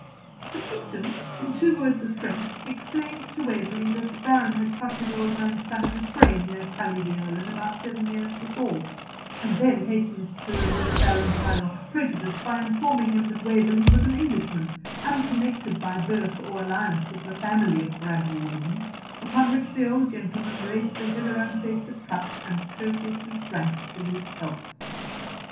The Chieftain, in two words of French, explained to Waverley that the Baron had shot this old man's son in a fray near Tully Veolan, about seven years before; and then hastened to remove Ballenkeiroch's prejudice, by informing him that Waverley was an Englishman, unconnected by birth or alliance with the family of Bradwardine; upon which the old gentleman raised the hitherto untasted cup and courteously drank to his health.